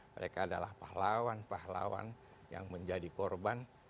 mereka adalah pahlawan pahlawan yang menjadi korban